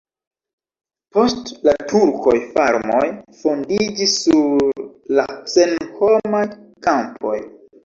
Post la turkoj farmoj fondiĝis sur la senhomaj kampoj.